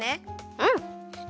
うん。